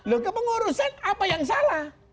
loh kepengurusan apa yang salah